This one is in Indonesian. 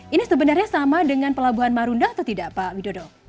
ini sebenarnya sama dengan pelabuhan marunda atau tidak pak widodo